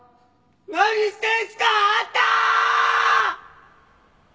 何してんすかあんた！